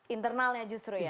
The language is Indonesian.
internalnya justru ya